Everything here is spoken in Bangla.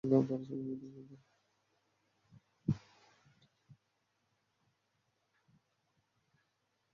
মিডিয়ায় কাজ করা নিয়ে একসময় মৌয়ের সঙ্গে তাঁর স্বামীর ভুল বোঝাবুঝি হয়।